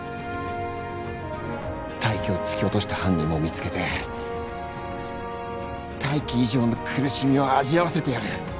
泰生を突き落とした犯人も見つけて泰生以上の苦しみを味わわせてやる。